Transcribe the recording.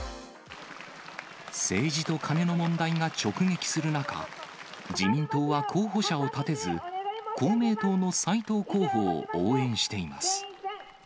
政治とカネの問題が直撃する中、自民党は候補者を立てず、公明党の斉藤候補を応援しています。